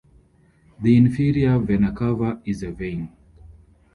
The inferior vena cava is a vein.